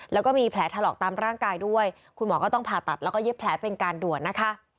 แล้วก็มีแผลถลอกตามร่างกายด้วยคุณหมอก็ต้องผ่าตัดแล้วก็เย็บแผลเป็นการด่วนนะคะ